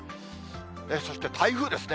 そして台風ですね。